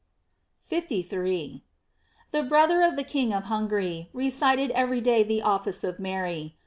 * 53. — The brother of the King of Hungary re cited every day the office of Mary.